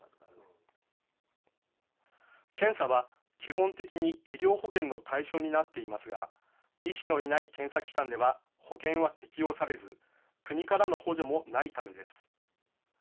検査は基本的に医療保険の対象になっていますが、医師のいない検査機関では保険は適用されず国からの補助もないためです。